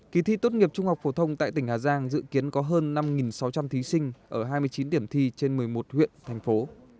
kỳ thi tốt nghiệp trung học phổ thông tại tỉnh hà giang dự kiến có hơn năm sáu trăm linh thí sinh ở hai mươi chín điểm thi trên một mươi một huyện thành phố